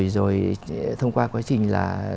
rồi thông qua quá trình là